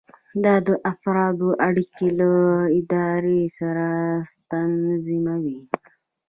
دا د افرادو اړیکې له ادارې سره تنظیموي.